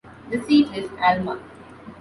The seat is Alma.